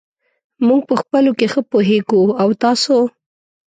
موږ په خپلو کې ښه پوهېږو. او تاسو !؟